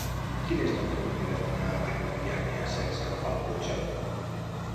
Quina és la millor manera d'anar a la Vall de Bianya sense agafar el cotxe?